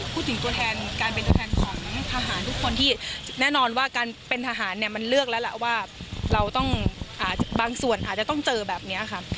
ตัวแทนการเป็นตัวแทนของทหารทุกคนที่แน่นอนว่าการเป็นทหารเนี่ยมันเลือกแล้วล่ะว่าเราต้องบางส่วนอาจจะต้องเจอแบบนี้ค่ะ